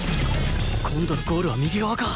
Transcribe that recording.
今度のゴールは右側か